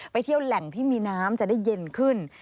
เที่ยวแหล่งที่มีน้ำจะได้เย็นขึ้น